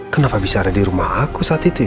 kenapa bisa ada dirumah aku saat itu ya